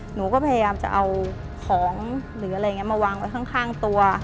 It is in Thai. หนูก็พยายามจะเอาของหรืออะไรอย่างนี้มาวางไว้ข้างตัว